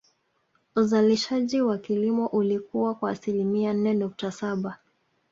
Uzalishaji wa kilimo ulikua kwa asilimia nne nukta Saba